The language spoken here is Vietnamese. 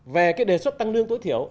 về cái đề xuất tăng lương tối thiểu